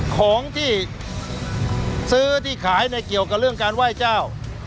ของที่ซื้อที่ขายในเกี่ยวกับเรื่องการไหว้เจ้า